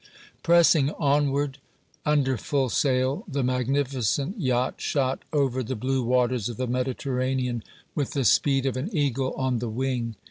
Pressing onward under full sail, the magnificent yacht shot over the blue waters of the Mediterranean with the speed of an eagle on the wing.